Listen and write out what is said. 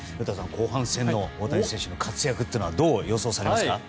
後半戦の大谷選手の活躍はどう予想されますか？